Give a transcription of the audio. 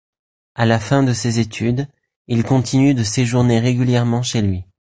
À la fin de ses études, il continue de séjourner régulièrement chez lui.